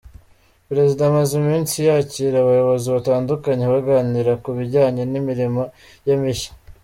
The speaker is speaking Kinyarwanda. Perezida amaze iminsi yakira abayobozi batandukanye baganira ku bijyanye n’imirimo ye mishya.